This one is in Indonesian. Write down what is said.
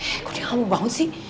eh kok dia gak mau bangun sih